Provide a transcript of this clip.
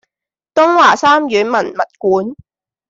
東華三院文物館